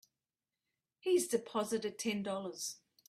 He's deposited Ten Dollars.